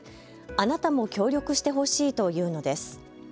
あなたも協力してほしいと言うのです。